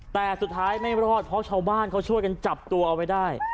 แต่สุดท้ายไม่รอดเพราะชาวบ้านเขาช่วยกันจับตัวเอาไว้ได้